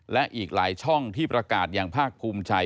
และอีกหลายช่องที่ประกาศอย่างภาคภูมิใจ